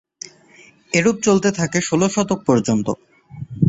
এরুপ চলতে থাকে ষোল শতক পর্যন্ত।